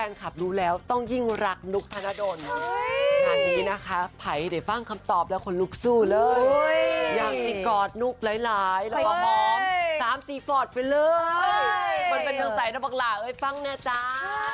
มันเป็นสังสัยตะปักหล่าไอ้ฟังแน่จ้า